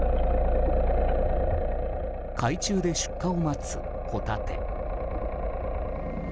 海中で出荷を待つホタテ。